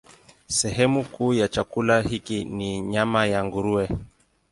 Sehemu kuu ya chakula hiki ni nyama ya nguruwe.